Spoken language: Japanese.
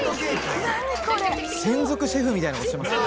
専属シェフみたいな事してますね。